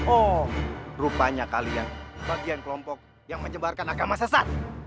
oh rupanya kalian bagian kelompok yang menyebarkan agama sesat